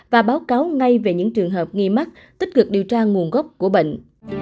và báo cáo ngay về những trường hợp nghi mắc tích cực điều tra nguồn gốc của bệnh